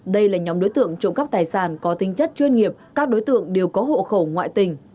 đây là nhóm đối tượng trộm cắp tài sản có tinh chất chuyên nghiệp các đối tượng đều có hộ khẩu ngoại tình